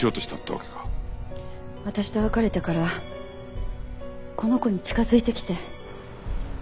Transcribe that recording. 私と別れてからこの子に近づいてきて。